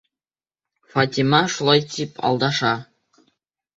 Фатима шулай тип алдаша.